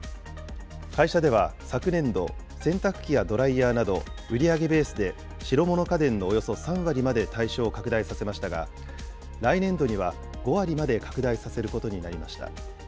会社では昨年度、洗濯機やドライヤーなど、売り上げベースで白物家電のおよそ３割まで対象を拡大させましたが、来年度には５割まで拡大させることになりました。